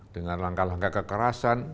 dengan langkah langkah kekerasan